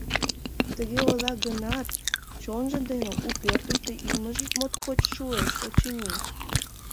Тыге ойла гынат, чонжо дене у пӧртыштӧ илымыже моткоч шуэш, очыни.